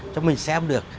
cho mình xem được